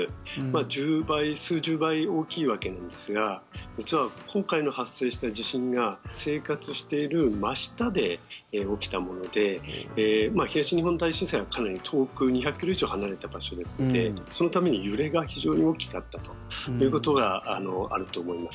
１０倍、数十倍大きいわけなんですが実は、今回の発生した地震が生活している真下で起きたもので東日本大震災はかなり遠く２００ｋｍ以上離れた場所ですのでそのために揺れが非常に大きかったということがあると思います。